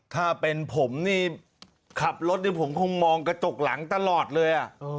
ถ้าเป็นผมนี่ขับรถนี่ผมคงมองกระจกหลังตลอดเลย